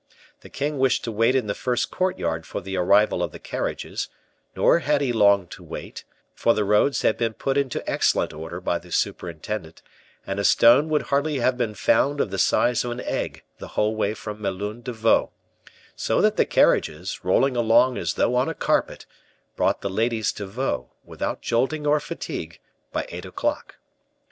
The king wished to wait in the first courtyard for the arrival of the carriages, nor had he long to wait, for the roads had been put into excellent order by the superintendent, and a stone would hardly have been found of the size of an egg the whole way from Melun to Vaux; so that the carriages, rolling along as though on a carpet, brought the ladies to Vaux, without jolting or fatigue, by eight o'clock.